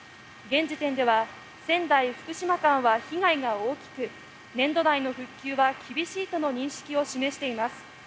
現時点では仙台福島間は被害が大きく年度内の復旧は厳しいとの認識を示しています。